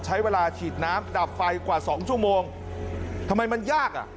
ใช้เวลาฉีดน้ำดับไฟกว่าสองชั่วโมงทำไมมันยากอ่ะ